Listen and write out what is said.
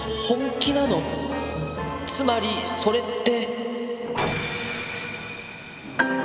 つまりそれって？